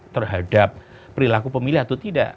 terhadap perilaku pemilih atau tidak